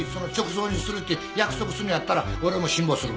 葬にするって約束すんのやったら俺も辛抱する。